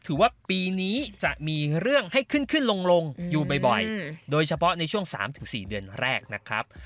ถือว่าปีนี้จะมีเรื่องให้ขึ้นขึ้นลงอยู่บ่อยโดยเฉพาะในช่วง๓๔เดือนแรกนะครับ